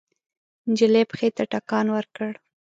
نجلۍ پښې ته ټکان ورکړ.